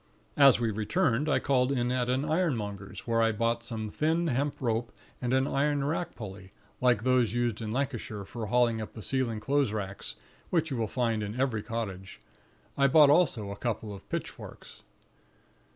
As we returned, I called in at an ironmonger's, where I bought some thin hemp rope and an iron rack pulley, like those used in Lancashire for hauling up the ceiling clothes racks, which you will find in every cottage. I bought also a couple of pitchforks.